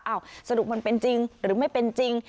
สรุปมันเป็นจริงหรือไม่เป็นจริง